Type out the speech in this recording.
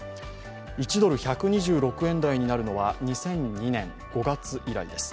１ドル＝１２６円台になるのは２００２年５月以来です。